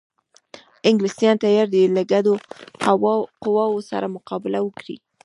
انګلیسیان تیار دي له ګډو قواوو سره مقابله وکړي.